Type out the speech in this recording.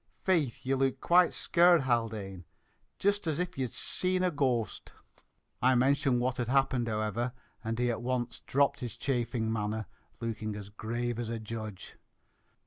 "Faith, ye look quite skeared, Haldane, jist as if ye'd sane a ghoast, sure!" I mentioned what had happened, however, and he at once dropped his chaffing manner, looking as grave as a judge.